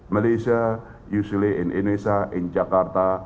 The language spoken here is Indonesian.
malaysia biasanya di indonesia di jakarta